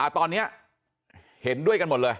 ตอนนี้เห็นด้วยกันหมดเลย